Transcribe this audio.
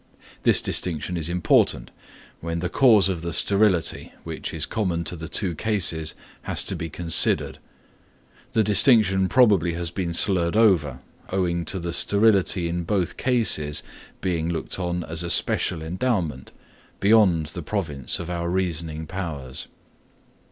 This distinction is important, when the cause of the sterility, which is common to the two cases, has to be considered. The distinction probably has been slurred over, owing to the sterility in both cases being looked on as a special endowment, beyond the province of our reasoning powers.